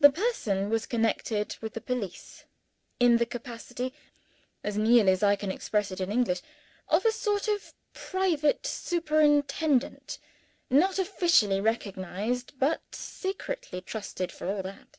The person was connected with the police, in the capacity (as nearly as I can express it in English) of a sort of private superintendent not officially recognized, but secretly trusted for all that.